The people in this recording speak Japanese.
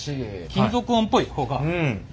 金属音っぽい方が。